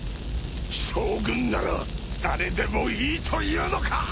将軍なら誰でもいいというのか！